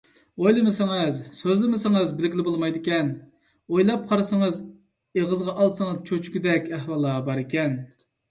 ئويلىمىسىڭىز، سۆزلىمىسىڭىز بىلگىلى بولمايدىكەن، ئويلاپ قارىسىڭىز، ئېغىزغا ئالسىڭىز چۆچۈگۈدەك ئەھۋاللار بار ئىكەن.